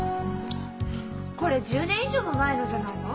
これ１０年以上も前のじゃないの？